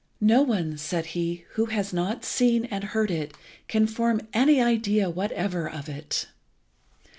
"No one," said he, "who has not seen and heard it, can form any idea whatever of it."